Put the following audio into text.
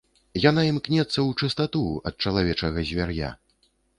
Яна імкнецца ў чыстату ад чалавечага звяр'я.